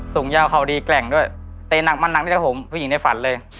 สูงยาวเขาดีแกร่งด้วยเตะหนักมันหนักด้วยครับผมผู้หญิงในฝันเลย